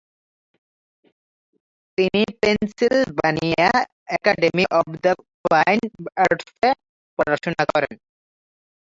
তিনি Pennsylvania Academy of the Fine আর্টসে পড়াশোনা করেন।